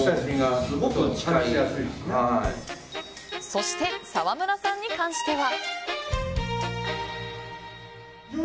そして、沢村さんに関しては。